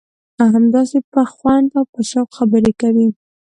همداسې په خوند او په شوق خبرې کوي.